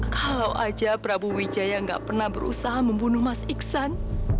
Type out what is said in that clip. kalau aja prabu wijaya gak pernah berusaha membunuh mas iksan